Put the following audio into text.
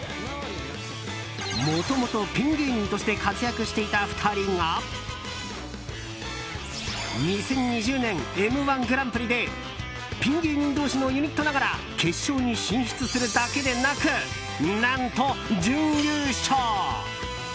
もともとピン芸人として活躍していた２人が２０２０年「Ｍ‐１グランプリ」でピン芸人同士のユニットながら決勝に進出するだけでなく何と、準優勝。